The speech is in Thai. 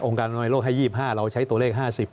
การอนามัยโลกให้๒๕เราใช้ตัวเลข๕๐